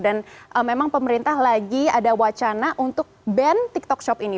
dan memang pemerintah lagi ada wacana untuk ban tiktok shop ini